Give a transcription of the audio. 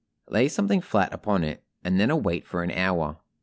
Lay something flat upon it, and then a weight for an hour.